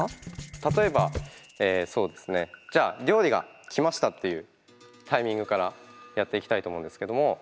例えばそうですねじゃあ料理が来ましたっていうタイミングからやっていきたいと思うんですけども。